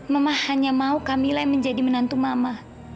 mama hanya mau kamilah yang menjadi menantu mama